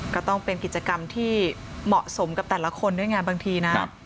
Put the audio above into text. ก็ต้องเป็นกิจกรรมที่เหมาะสมกับแต่ละคนด้วยไงบางทีนะ